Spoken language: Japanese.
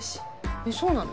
そうなの？